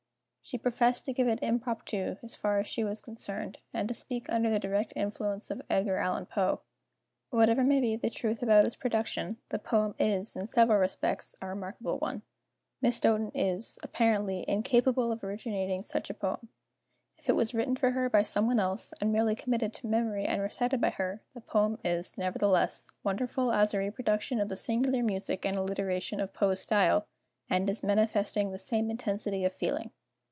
She professed to give it impromptu, as far as she was concerned, and to speak under the direct influence of Edgar A. Poe. Whatever may be the truth about its production, the poem is, in several respects, a remarkable one. Miss Doten is, apparently, incapable of originating such a poem. If it was written for her by some one else, and merely committed to memory and recited by her, the poem is, nevertheless, wonderful as a reproduction of the singular music and alliteration of Poe's style, and as manifesting the same intensity of feeling.